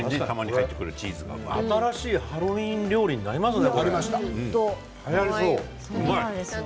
新しいハロウィーン料理になりますね。